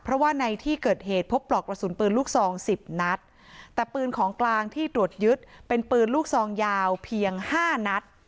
เพราะว่าในที่เกิดเหตุพบปลอกกระสุนปืนลูกซองสิบนัดแต่ปืนของกลางที่ตรวจยึดเป็นปืนลูกซองยาวเพียงห้านัด